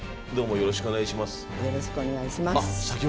よろしくお願いします。